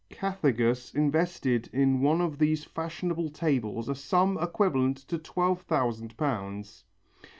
Cathegus invested in one of these fashionable tables a sum equivalent to twelve thousand pounds.